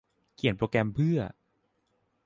เขียนโปรแกรมเพื่อ